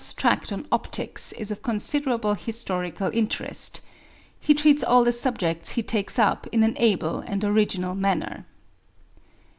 ] In physics proper Descartes' tract on optics is of considerable historical interest. He treats all the subjects he takes up in an able and original manner.